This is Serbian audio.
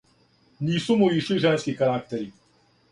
Нису му ишли женски карактери.